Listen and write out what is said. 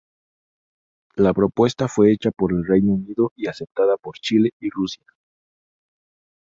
La propuesta fue hecha por el Reino Unido y aceptada por Chile y Rusia.